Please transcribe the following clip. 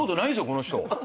この人。